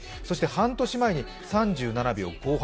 そして半年前に３７秒５８。